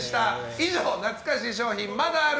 以上、懐かし商品！まだある？